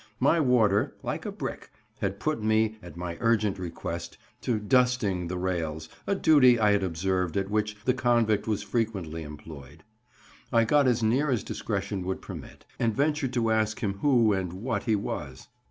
My warder—like a brick—had put me, at my urgent request, to "dusting" the rails, a duty, I had observed, at which the convict was frequently employed. I got as near as discretion would permit, and ventured to ask him who and what he was.